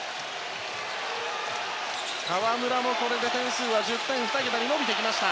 河村もこれで点数は２桁に伸びてきました。